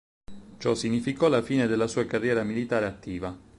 Ciò significò la fine della sua carriera militare attiva.